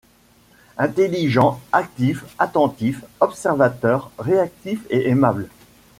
Intelligent, actif, attentif, observateur, réactif et aimable.